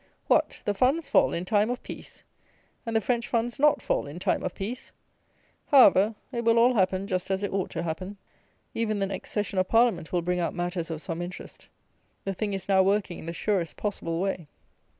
What! the funds fall in time of peace; and the French funds not fall, in time of peace! However, it will all happen just as it ought to happen. Even the next session of Parliament will bring out matters of some interest. The thing is now working in the surest possible way.